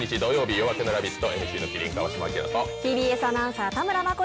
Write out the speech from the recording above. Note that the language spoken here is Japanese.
「夜明けのラヴィット！」